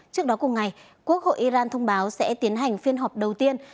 trước đó cùng ngày quốc hội iran thông báo sẽ tiến hành phiên họp đầu tiên